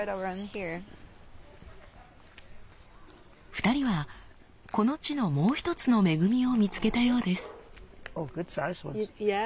２人はこの地のもう一つの恵みを見つけたようです。